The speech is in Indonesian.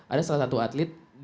ada salah satu atlet